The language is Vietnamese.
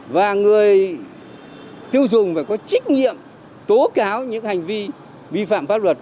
và người tiêu dùng phải có trách nhiệm tố cáo những hành vi vi phạm pháp luật